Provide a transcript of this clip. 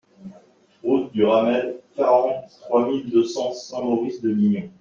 Route du Ramel, quarante-trois mille deux cents Saint-Maurice-de-Lignon